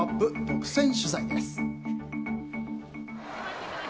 独占取材です。